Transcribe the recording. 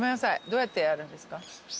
どうやってやるんですか？